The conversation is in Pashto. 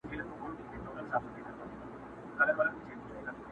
یار به واچوم تارونه نوي نوي و رباب ته،